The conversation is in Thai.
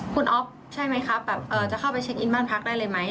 คุณอ๊อฟใช่ไหมครับแบบจะเข้าไปเช็คอินบ้านพักได้เลยไหม